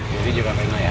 jadi juga main aja ya